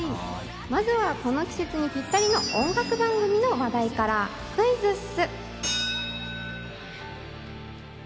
まずは、この季節にぴったりの音楽番組の話題からクイズッス。